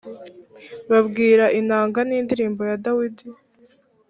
babwira inanga ni indirimbo ya dawidi